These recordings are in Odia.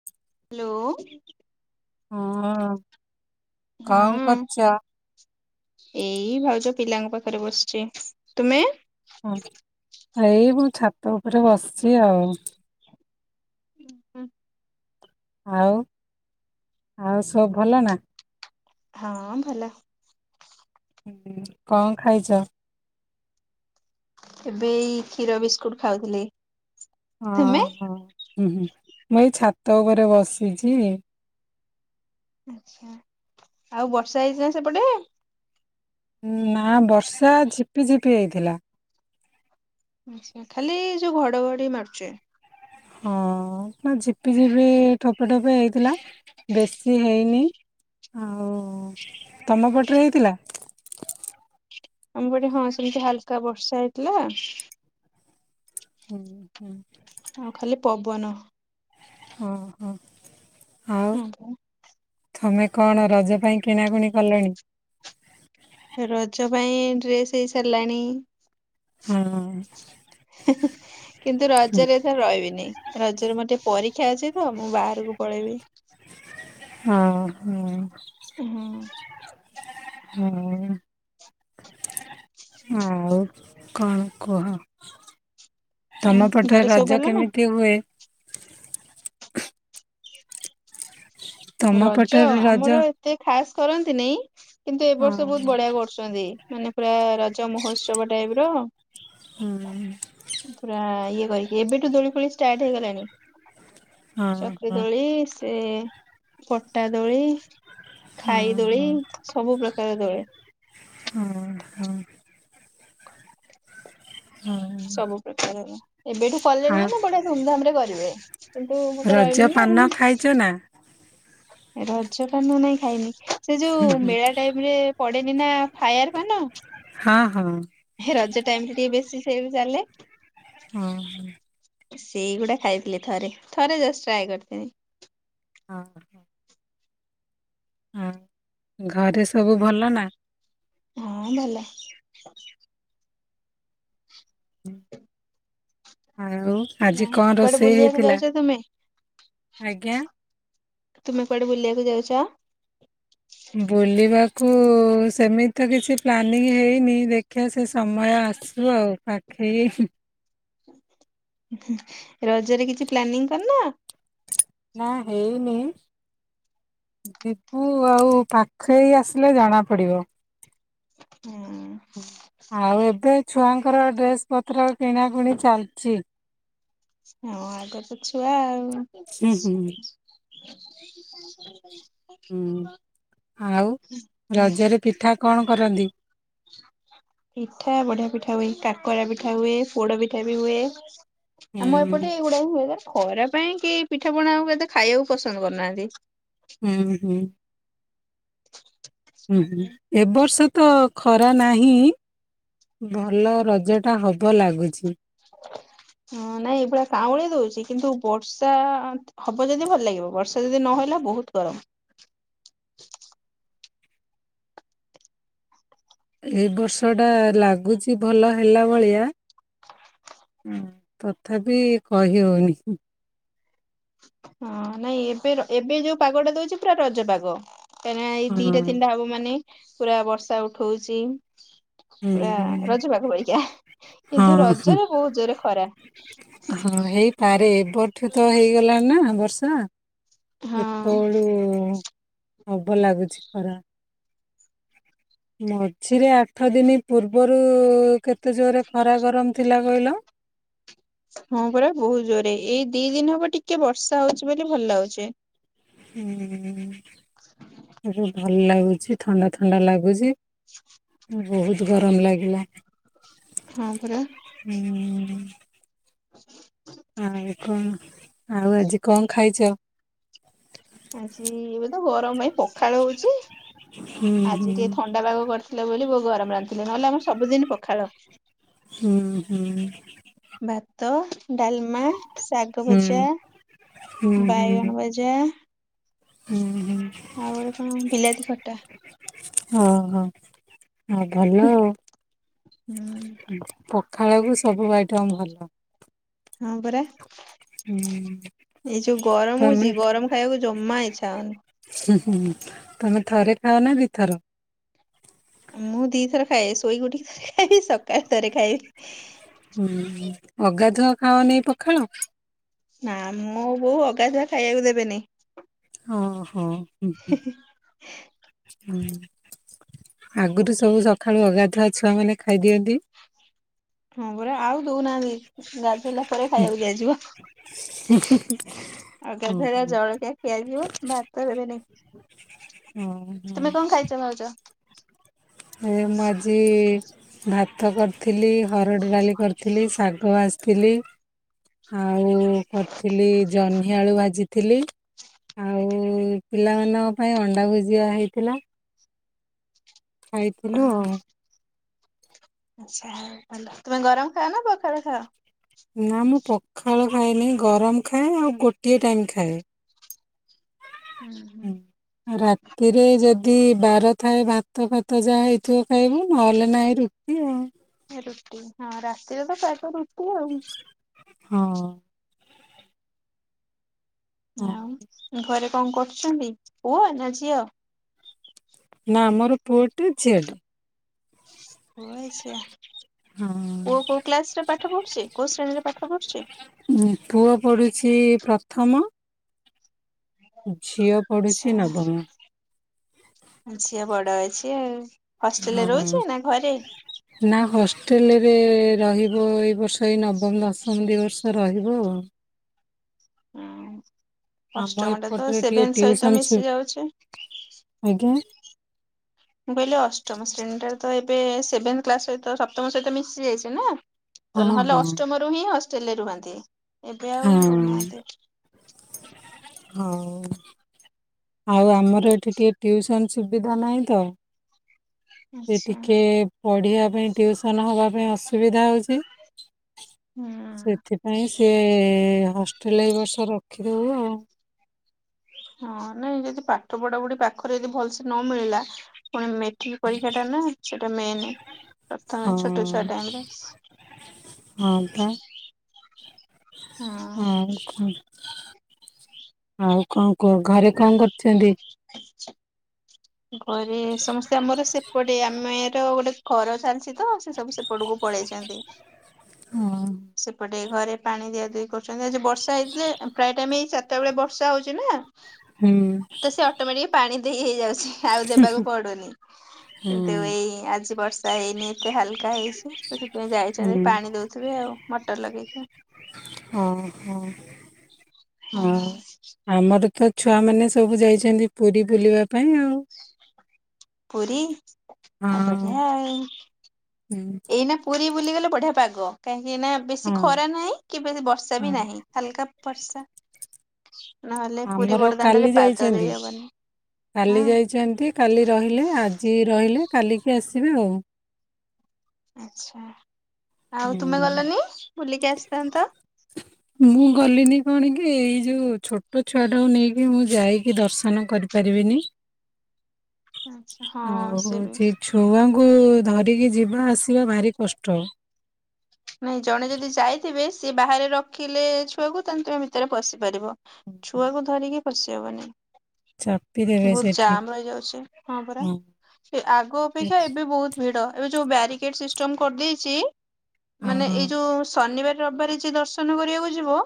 [inaudible] ହାଲୋ। ହଁ କଁ ହଁ କରଚ? ଏଇ ଭାଉଜ ପିଲାଙ୍କ ପାଖରେ ବସିଛି ତୁମେ? ହଁ ଏଇ ମୁଁ ଛାତ ଉପରେ ବସିଛି ଆଉ। [unintelligible] ଆଉ ଆଉ ସବୁ ଭଲ ନା? ହଁ ଭଲ। ହୁ କଣ ଖାଇଛ? ଏବେ ଏଇ କ୍ଷୀର ବିସ୍କୁଟ ଖାଉଥିଲି। ହଁ ତୁମେ? ହୋ ହଁ ହୁଁ ମୁଁ ଏଇ ଛାତ ଉପରେ ବସିଛି। ଆଛା ଆଉ ବର୍ଷା ହେଇଛିନା ସେପଟେ? ହୁଁ ନା ବର୍ଷା ଝିପି ଝିପି ହେଇଥିଲା। ଆଛା ଖାଲି ଯୋଉ ଘଡ଼ଘଡ଼ି ମାରୁଚି। ହଁ ନା ଝିପି ଝିପି ଟୋ ଟୋପେ ଟୋପେ ହେଇଥିଲା ବେଶୀ ହେଇନି ଆଉ ତମ ପଟରେ ହେଇଥିଲା? ଆମପଟେ ହଁ ସେମିତି ହାଲକା ବର୍ଷା ହେଇଥିଲା। ହୁଁ ହୁଁ। ଆଉ ଖାଲି ପବନ। ଉଁ ହୁଁ ଆଉ। ହଁ ପା। ତମେ କଣ ରଜ ପାଇଁ କିଣାକିଣି କଲଣି? ରଜ ପାଇଁ ଡ୍ରେସ୍ ହେଇ ସାରିଲାଣି। ହଁ କିନ୍ତୁ ରଜରେ ରହିବିନି ରଜରେ ମୋର ଟିକେ ପରୀକ୍ଷା ଅଛି ତ ମୁଁ ବାହାରକୁ ପଳେଇବି। ହଁ ହୁଁ। ହୁଁ। ହୁଁ। ଆଉ କଣ କୁହ? ତମ ପଟରେ ଘରେ ସବୁ ଭଲ ରଜ ନା? କେମିତି ହୁଏ? ତମ ରଜ ପଟରେ ରଜ ଆମର ଏତେ ଖାସ କରନ୍ତି ନାଇଁ କିନ୍ତୁ ଏ ବର୍ଷ ହଁ ବୋହୁତ ବଢିଆ କରୁଛ ଛନ୍ତି ମାନେ ପୁରା ରଜ ମହୋତ୍ସବ ଟାଇପିର ହୁଁ। ପୁରା ଇଏ କରିକି ଏବେଠୁ ଦୋଳି ଫୋଳି ଷ୍ଟାର୍ଟ ହେଇଗଲାଣି। ହଁ ଚକିରି ହଁ ଦୋଳି ସେ ପଟା ଦୋଳି ହଁ ଖାଇ ଦୋଳି ହଁ ସବୁ ପ୍ରକାର ଦୋଳି। ହୁଁ। ହୁଁ। ସବୁ ପ୍ରକାରର ଏବେଠୁ କଲେଣି ଆଉ ମାନେ ବଢିଆ ଧୁମଧାମ ରେ କରିବେ। କିନ୍ତୁ ମୁଁ ତ ରଜ ରହିବିନି ପାନ ଆଉ। ଖାଇଛୁ ନା? ରଜ ପାନ ନାଇଁ ଖାଇନି ସେ ଯୋଉ ମେଳା ଟାଇମ ରେ ପଡେନି ନା ଫାୟାର ପାନ ହଁ ହଁ। ହେ ରଜ ଟାଇମ ରେ ଟିକେ ବେଶୀ ସେଇ ଚାଲେ। ହଁ ହ। ସେଇଗୁଡା ଖାଇଥିଲି ଥରେ। ଥରେ ଜଷ୍ଟ ଟ୍ରାଏ କରିଥିଲି। ହଁ। ହଁ ଘରେ ସବୁ ଭଲ ନା? ହଁ ଭଲ। ଆଉ? ଆଜି ହଁ କଣ କୁଆଡେ ରୋଷେଇ ବୁଲିବାକୁ ହେଇଥିଲା? ଯାଉଛ ତୁମେ ଆଜ୍ଞା? ତୁମେ କୁଆଡେ ବୁଲିବାକୁ ଯାଉଚ? ବୁଲିବାକୁ ସେମିତି ତ କିଛି ପ୍ଲାନିଂ ହେଇନି। ଦେଖିବା ସେ ସମୟ ଆସ ଉ ଆଉ ପାଖେଇ ରଜରେ କିଛି ପ୍ଲାନିଂ କରିନ? ନା ହେଇନି। ଜିବୁ ଆଉ ପାଖେଇ ଆସିଲେ ଜଣାପଡ଼ିବ। ହଁ ଆଉ ଏବେ ଛୁଆଙ୍କର ଡ୍ରେସ ପତ୍ର କିଣାକୁଣି ଚାଲିଚି। ହଁ ଆଗ ତ ଛୁଆ ଆଉ। ହୁଁ ହୁଁ [inaudible] ହୁଁ ଆଉ ରଜରେ ପିଠା କଣ କରନ୍ତି? ପିଠା ବଢିଆ ପିଠା ହୁଏ। କାକରା ପିଠା ହୁଏ ପୋଡ ପିଠା ବି ହୁଏ। ହୁଁ ଆମ ଏପଟେ ଏଇଗୁଡା ହୁଏ। ପରେ ଖରା ପାଇଁ କିଏ ପିଠା ପଣା ଆଉ କେହି ଖାଇବାକୁ ପସନ୍ଦ କରୁନାହାନ୍ତି। ହୁଁ ହୁଁ। ହୁଁ ହୁଁ ଏବ ବର୍ଷ ତ ଖରା ନାହିଁ। ଭଲ ରଜଟା ହବ ଲାଗୁଚି। ହଁ ନାଇଁ ଏଇଭଳିଆ କାଉଁଳି ଦଉଚି କିନ୍ତୁ ବର୍ଷା ହବ ଯଦି ଭଲ ଲାଗିବ। ବର୍ଷା ଯଦି ନହେଲା ବହୁତ ଗରମ। ଏ ବର୍ଷ ଟା ଲାଗୁଚି ଭଲ ହେଲା ଭଳିଆ। ହଁ ତଥାପି କହି ହଉନି। ହଁ ନାଇଁ ଏବେ ର ଏବେ ଯୋଉ ପାଗ ଟା ଦଉଚି ପୁରା ରଜ ପାଗ। କାହିଁକିନା ଏଇ ଦିଟା ତିନିଟା ହବ ମାନେ ପୁରା ବର୍ଷା ଉଠଉଚି। ପୁରା ହୁଁ ରଜବାକ ବଇକା। ହଁ ହ ହଁ ହେଇପାରେ ଏବଠୁ ତ ହେଇଗଲା। ଣି ନା ବର୍ଷା ହଁ ସେତେବେଳୁ ହବ ଲାଗୁଚି ଖରା। ମଝିରେ ଆଠ ଦିନ ପୂର୍ବରୁ କେତେ ଜୋରେ ଖରା ଗରମ ଥିଲା କହିଲ? ହଁ ପରା ବହୁତ ଜୋରରେ। ଏଇ ଦି ଦିନ ହବ ଟିକେ ବର୍ଷା ହଉଚି ବୋଲି ଭଲ ଲାଗୁଚି। ହୁଁ ରୁ ଭ ଭଲ ଲାଗୁଚି ଥଣ୍ଡା ଥଣ୍ଡା ଲାଗୁଚି। ବହୁତ ଗରମ ଲାଗିଲା। ହଁ ପରା। ହୁଁ। [inaudible] ଆଉ କଣ ଆଉ ଆଜି କଣ ଖାଇଚ? ଆଜି ଏବେ ତ ଗରମ ପାଇଁ ପଖାଳ ହଉଚି। ହୁଁ ଆଜି ଟିକେ ଥଣ୍ଡ ଆ ପାଗ କରିଥିଲେ ବୋଲି ବୋଉ ଗରରମ ରାନ୍ଧିଥିଲେ। ନହେଲେ ଆମର ସବୁଦିନ ପଖାଳ। ହୁଁ ହୁଁ। ଭାତ ଡାଲମା ଶାଗ ହୁଁ ହୁଁ ଭଜା ହୁଁ ହୁଁ ବାଇଗଣ ଭଜା ଭଜା ହୁଁ ହୁଁ ଆଉ ଗୋଟେ କଣ ବିଲାତି ଖଟା। ଓଁ ହୋ ଆଉ ଭଲ ଆଉ। ହୁଁ। ପଖାଳକୁ ସବୁ ବା ହଁ ପରା। ହୁଁ ଏଇ ଯୋଉ ଗରମ ତମେ ହଉଛି ଗରମ ଖାଇବାକୁ ଜମା ଇଚ୍ଛା ହଉନି। ହୁଁ ହୁଁ ତମେ ଥରେ ଖାଅ ନା ଦିଥର? ମୁଁ ଦି ଥର ଖାଏ ଶୋଇ ଉଠିକ୍ ଥରେ ଖାଇବି ସକାଳ ଥରେ ଖାଇବି। ହୁଁ ଅଗାଧୁଆ ଖାଅନାଇ ପଖାଳ? ନା ମୁଁ ବୋଉ ଅଗାଧୁଆ ଖାଇବାକୁ ଦେବେନି। ହଁ ହଁ ହଁ ହଁ। ହଁ ଆଗରୁ ସବୁ ସକାଳୁ ଅଗାଧୁଆ ଛୁଆ ମାନେ ଖାଇଦିଅନ୍ତି। ହଁ ପରା ଆଉ ଦଉନାହାନ୍ତି ଗାଧୋଇଲା ପରେ ଖାଇବାକୁ ଦିଆଯିବ ଅ ହୁଁ ଗାଧୁଆ ହେଲା ହୁଁ। ଜଳ ଖିଆ ଯିବ ଭାତ ଦେବେନି। ହଁ। ତୁମେ କଣ ଖାଇଛ ଭାଉଜ? ଏ ମୁଁ ଆଜି ଭାତକୁ ଥିଲି ହରଡ଼ ଡାଲି କରିଥିଲି ଶାଗ ଭାଜିଥିଲି ଆଉ କରିଥିଲି ଜହ୍ନିଆଳୁ ଭାଜିଥିଲି ଥିଲି ଆଉ ପିଲାମାନଙ୍କ ପାଇଁ ଅଣ୍ଡା ଭୁଜିଆ ହେଇଥିଲା ଖାଇଥିଲୁ ଆଉ ଆଛା ଭଲ ତୁମେ ଗରମ ଖାଅ ନା ପଖାଳ ଖାଅ? ନା ମୁଁ ପଖାଳ ଖାଏନି ଗରମ ଖାଏ ଆଉ ଗୋଟିଏ ଟାଇମ୍ ଖାଏ। ହୁଁ ହୁଁ। ରାତିରେ ଯଦି ବାର ଥାଏ ଭାତ ଫାତ ଯାହା ହେଇଥିବ ଖାଇବୁ ନହେଲେ ନାହିଁ ରୁଟି ଏଏ [unintelligible] ରୁଟି ହଁ ରାତିରେ ତ ପ୍ରାୟ ଟାଇମ୍ ରୁଟି ଆଉ। ହଁ। ହଁ ଆଉ ଘରେ କଣ କରୁଛନ୍ତି ପୁଅ ନା ଝିଅ? ନା ମୋର ପୁଅ ଟେ ଝିଅ ଟେ। ହା କୋଉ ହଁ। କୋଉ କ୍ଲାସ ରେ ପାଠ ପଢୁଛି କୋଉ ଶ୍ରେଣୀରେ ପାଠ ପଢୁଛି? ଉଁ ପୁଅ ପଢୁଛି ପ୍ରଥମ ଝିଅ ଆଚ୍ଛା ପଢୁଛି ନବମ। ଝିଅ ବଡ ଅଛି ଆଉ। ହଁ ହଷ୍ଟେଲରେ ରହୁଛି ନା ଘରେ? ନା ହ ହଷ୍ଟେଲରେ ରହିବ ଏଇ ବର୍ଷ ଏଇ ନବମ ଦଶମ ଦୁଇ ବର୍ଷ ରହିବ ଆଉ ହଁ ଆମ ଅଷ୍ଟମଟା ତ ଏପଟରେ ଟିକେ ସେଭେନ୍ ଟିଉସନ ସହିତ ସୁ ମିଶିଯାଉଛି। ଆଜ୍ଞା। ମୁଁ କହିଲି ଅଷ୍ଟମ ଶ୍ରେଣୀଟା ତ ଏବେ ସେଭେନ୍‌ କ୍ଲାସ ସହିତ ସପ୍ତମ ସହିତ ମିଶଯାଇଛି ନା ହଁ ତ ହଁ। ନହେଲେ ଅଷ୍ଟମ ରୁ ହିଁ ହଷ୍ଟେଲ ରେ ରୁହନ୍ତି ଏବେ ଆଉ ରହୁନାହାନ୍ତି। ହଁ। ଆଉ ଆମର ଏଠି ଟିକିଏ ଟିୁୟୁସନ୍ ସୁବିଧା ନାହିଁ ତ ସେ ଆଚ୍ଛା ଟିକେ ପଢ଼ିବା ପାଇଁ ଟ୍ୟୁସନ ହବା ପାଇଁ ଅସୁବିଧା ହେଉଛି। ହୁଁ। ସେଥିପାଇଁ ସିଏ ହଷ୍ଟେଲ ଏବର୍ଷ ରଖିଦେବୁ ଆଉ। ହଁ ନାଇଁ ଯଦି ପାଠ ପଢା ବଢି ପାଖରେ ଯଦି ଭଲସେ ନ ମିଳିଲା ପୁଣି ମେ ମେଟ୍ରିକ ପରୀକ୍ଷା ଟା ନା ସେଟା ମେନ। ପ୍ରଥମେ ହଁ ଛୋଟ ଛଆ ଟାଇମିଂ ରେ। ହଁ ହୁଁ। ଆଉ କଣ କୁହ ଘରେ କଣ କରୁଛନ୍ତି? ଘରେ ସମସ୍ତେ ଆମର ସେପଟେ [unintelligible] ଗୋଟେ ଘର ଚାଲିଛି ତ ସେ ସବୁ ସେପଟକୁ ପଳେଇଛନ୍ତି। ହଁ। ସେପଟେ ଘରେ ପାଣି ଦିଆଦୁଇ କରୁଛନ୍ତି ଆଜି ବର୍ଷା ହେଇଥିଲେ। ପ୍ରାୟ ଟାଇମ ଏଇ ଚାରଟା ବେଳେ ବର୍ଷା ହଉଛି ନା? ହୁଁ। ତ ସେ ଅଟୋମେଟିକ ପାଣି ଦେଇ ହେଇଯାଉଛି ଆଉ ଦେବାକୁ ପଡୁନି। ହୁଁ କିନ୍ତୁ ଏଇ ଆଜି ବର୍ଷ ବର୍ଷା ହେଇନି ଏତେ ହାଲକା ହେଇଛି ସେ ସେଥିପାଇଁ ଯାଇଛନ୍ତି ହୁଁ ପାଣି ଦଉଥିବେ ଆଉ ମଟର ଲଗେଇକି। ହଁ ହଁ ହଁ। ଆମର ତ ଛୁଆମାନେ ସବୁ ଯାଇଛନ୍ତି ପୁରୀ ବୁଲିବା ପାଇଁ ଆଉ। ପୁରୀ ଆଉ ହଁ ଭଡ଼ିଆ। ହୁଁ। ନା ପୁରୀ ବୁଲିଗଲେ ବଢ଼ିଆ ପାଗ କାହିଁକି ନା ବେଶୀ ହଁ ଖରା ନାହିଁ କି ବେଶୀ ବର୍ଷା ହଁ ବି ନାହିଁ। ହାଲୁକା ବର୍ଷା। ନହେଲେ ପୁରୀ ଆମର ବଡଦାଣ୍ଡରେ କାଲି ପାଦ ଦେଇ ଯାଇଛନ୍ତି ହବନି କାଲି ହଁ। ଯାଇଛନ୍ତି କାଲି ରହିଲେ ଆଜି ରହିଲେ କାଲିକି ଆସିବେ ଆଉ। ଆଛା ଆଉ ତୁମେ ହୁଁ। ଗଲନି ବୁଲିକି ଆସିଥାନ୍ତ। [unintelligible] ମୁଁ ଗଲିନି କଣ କି ଏଇ ଯୋଉ ଛୋଟ ଛୁଆଟାକୁ ନେଇକି ମୁଁ ଯାଇକି ଦର୍ଶନ କରିପାରିବିନି। ଆଛା ହଁ ହଉ ସେ ବି ହଉଛି ଛୁଆଙ୍କୁ ଧରିକି ଯିବା ଆସିବା ଭାରି କଷ୍ଟ। ନାଇଁ ଜଣେ ଯଦି ଯାଇଥିବେ ସିଏ ବାହାରେ ରଖିଲେ ଛୁଆକୁ ତାହେଲେ ତୁମେ ଭିତରେ ପଶି ପାରିବ। ଛୁଆକୁ ଧରିକି ପଶିହବନି। ଚାପି ଦେବେ ବହୁତ ସେଠି ଜାମ ରହିଯାଉଛି ହଁ ପରା। ଆଗ ହଁ ଅପେକ୍ଷା ଏବେ ବହୁତ ଭିଡ ଏବେ ଯୋଉ ବ୍ୟାରିକେଡ ସିଷ୍ଟମ କରିଦେଇଛି। ମାନେ ଏଇ ଯୋଉ ଶନିବାର ରବିବାର ଯିଏ ଦର୍ଶନ କରିବାକୁ ଯିବ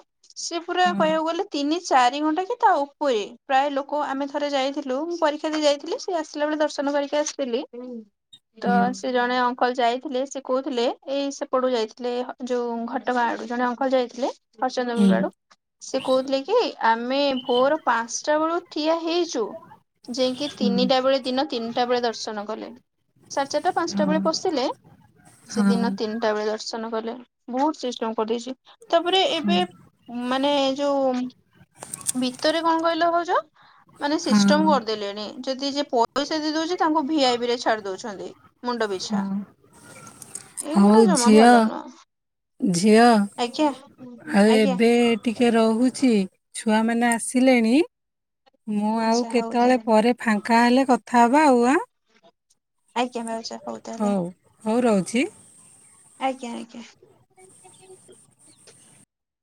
ସେ ପୁରା ହଁ। କହିବାକୁ ଗଲେ ତିନି ଚାରି ଘଣ୍ଟା କି ତା ଉପରେ ପ୍ରାୟ ଲୋକ ଆମେ ଥରେ ଯାଇଥିଲୁ ମୁଁ ପରୀକ୍ଷା ଦେଇ ଯାଇଥିଲି। ସେ ଆସିଲା ବେଳେ ଦର୍ଶନ କରିକି ଆସିଥିଲି। ହୁଁ ତ ସେ ଜଣେ ଅଙ୍କଲ ଯାଇଥିଲେ ସେ କହୁଥିଲେ ଏଇ ସେ ପଡୁ ଯାଇଥିଲେ ଯୋଉ ଘଟଗାଁ ଆଡୁ ଜଣେ ଅଙ୍କଲ ଯାଇଥିଲେ। ହୁଁ [unintelligible] ସେ କହୁଥିଲେ କି ଆମେ ଭୋର ପାଞ୍ଚଟା ବେଳୁ ଠିଆ ହେଇଛୁ। ଯାଇକି ହୁଁ ତିନିଟା ବେଳେ ଦିନ ତିନିଟା ବେଳେ ଦର୍ଶନ କଲେ। ସାଡ଼ ଚାରିଟା ପାଞ୍ଚଟା ହଁ ବେଳେ ପସିଲେ ସେ ହଁ ଦିନ ତିନି ଟାବେଳେ ଦର୍ଶନ କଲେ ବହୁତ ସିଷ୍ଟମ କରିଦେଇଛି ତାପରେ ହୁଁ ଏବେ ମାନେ ଯୋଉ ଭିତରେ କଣ କହିଲ ଭାଉଜ? ମାନେ ହଁ ସିଷ୍ଟମ କରିଦେଲେଣି। ଯଦି ଯିଏ ପଇସା ଦେଇ ଦଉଛି ତାଙ୍କୁ ଭିଆଇବି ରେ ଛାଡି ଦଉଛନ୍ତି ମୁଣ୍ଡ ପିଛା। ଆଉ ଏଇଗୁଡା ଜମା ଝିଅ ଭଲ ନୁହଁ ଝିଅ ଆଜ୍ଞା ଆଉ ଆଜ୍ଞା। ଏବେ ଟିକେ ରହୁଛି ଛୁଆ ମାନେ ଆସ ଲେଣି ମୁଁ ଆଉ ଆଚ୍ଛା ହଉ କେତେବେଳେ ତାହେଲେ ପରେ ଫାଙ୍କା ହେଲେ କଥା ହବା ଆଉ ଆଁ। ଆଜ୍ଞା [unintelligible] ହଉ ତାହେଲେ ହଉ ରହୁଛି। ଆଜ୍ଞା ଆଜ୍ଞା।